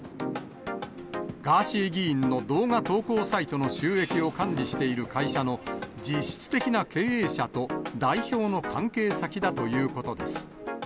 ガーシー議員の動画投稿サイトの収益を管理している会社の実質的な経営者と、代表の関係先だということです。